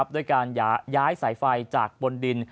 ด้วยการย้ายสายไฟจากบนดิน